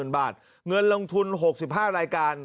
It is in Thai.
๐บาทเงินลงทุน๖๕รายการ